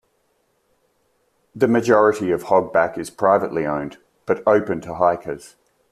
The majority of Hogback is privately owned, but open to hikers.